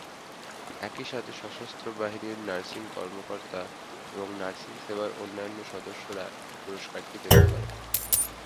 একই সাথে সশস্ত্র বাহিনীর নার্সিং কর্মকর্তা এবং নার্সিং সেবার অন্যান্য সদস্যরা এই পুরস্কারটি পেতে পারেন।